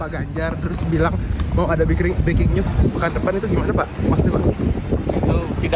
kalau misalnya jadi